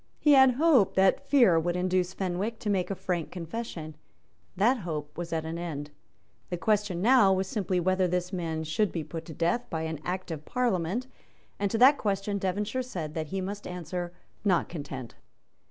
He had hoped that fear would induce Fenwick to make a frank confession; that hope was at an end; the question now was simply whether this man should be put to death by an Act of Parliament; and to that question Devonshire said that he must answer, "Not Content."